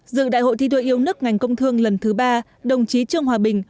dự đại hội thi đua yêu nước ngành công thương lần thứ ba đồng chí trương hòa bình